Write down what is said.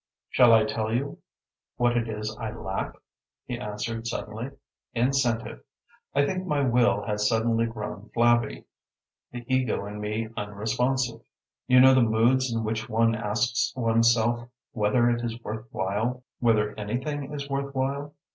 "Shall I tell you what it is I lack?" he answered suddenly. "Incentive. I think my will has suddenly grown flabby, the ego in me unresponsive. You know the moods in which one asks oneself whether it is worth while, whether anything is worth while.